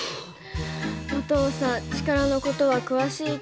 お父さん力の事は詳しいけど。